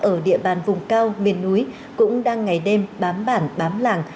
ở địa bàn vùng cao miền núi cũng đang ngày đêm bám bản bám làng